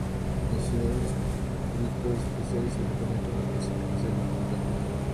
Las ciudades, distritos especiales y departamentos no poseen capacidad legislativa.